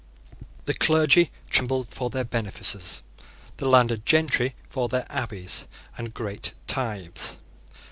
The clergy trembled for their benefices; the landed gentry for their abbeys and great tithes.